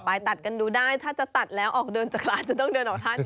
ไปตัดกันดูได้ถ้าจะตัดแล้วออกเดินจากร้านจะต้องเดินออกท่าน